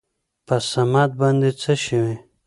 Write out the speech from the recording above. په صمد باندې څه شوي ؟